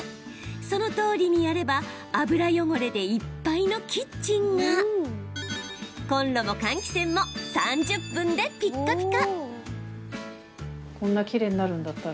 そのとおりにやれば油汚れでいっぱいのキッチンがコンロも換気扇も３０分でピッカピカ。